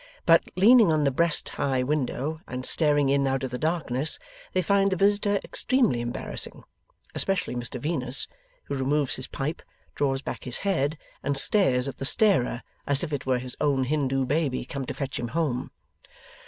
But, leaning on the breast high window, and staring in out of the darkness, they find the visitor extremely embarrassing. Especially Mr Venus: who removes his pipe, draws back his head, and stares at the starer, as if it were his own Hindoo baby come to fetch him home.